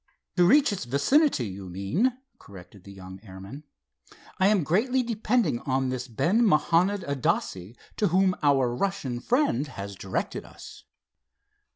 "To reach its vicinity, you mean," corrected the young airman. "I am greatly depending on this Ben Mahanond Adasse to whom our Russian friend has directed us."